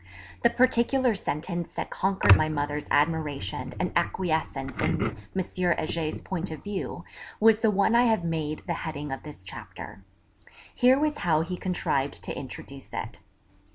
The particular sentence that conquered my mother's admiration and acquiescence in M. Heger's point of view was the one I have made the heading of this chapter. Here was how he contrived to introduce it.